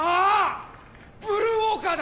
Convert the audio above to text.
ブルーウォーカーだ！